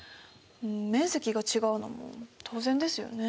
面積が違うのも当然ですよね。